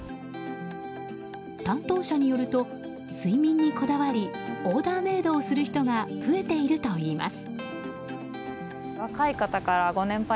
担当者によると睡眠にこだわりオーダーメードをする人が増えているといいます。